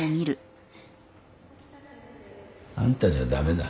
あんたじゃ駄目だ。